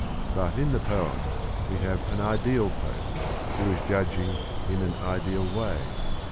But in the poem we have an ideal Pope, who is judging in an ideal way.